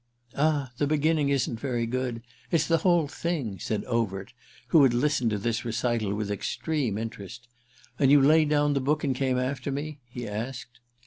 "Ah the beginning isn't very good—it's the whole thing!" said Overt, who had listened to this recital with extreme interest. "And you laid down the book and came after me?" he asked.